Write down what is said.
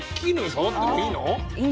触ってもいいの？